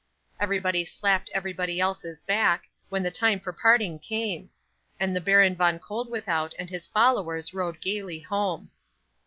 Everybody slapped everybody else's back, when the time for parting came; and the Baron Von Koeldwethout and his followers rode gaily home.